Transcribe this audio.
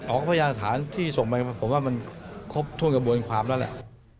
พยานฐานที่ส่งไปผมว่ามันครบถ้วนกระบวนความแล้วแหละ